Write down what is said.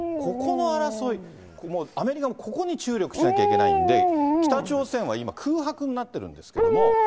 ここの争い、アメリカもここに注力しなきゃいけないんで、北朝鮮は今、空白になってるんですけども。